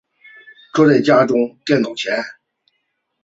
坐在家中的电脑前